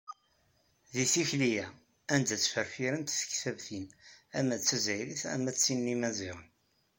Di tikli-a, anda ttrefrifen-t tekbabtin ama d azzayrit ama d tin n yimaziɣen.